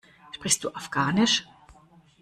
Sprichst du Afghanisch?